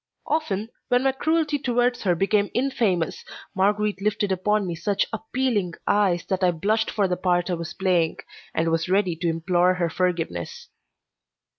Often, when my cruelty toward her became infamous, Marguerite lifted upon me such appealing eyes that I blushed for the part I was playing, and was ready to implore her forgiveness.